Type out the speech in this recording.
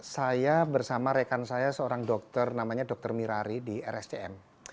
saya bersama rekan saya seorang dokter namanya dr mirari di rscm